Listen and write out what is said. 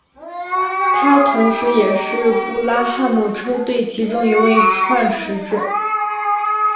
他同时也是布拉汉姆车队其中一位创始者。